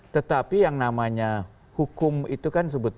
tetapi yang namanya hukum itu kan sebut